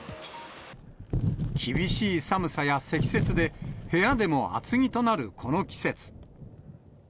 厳しい寒さや積雪で、部屋でも厚着となるこの季節。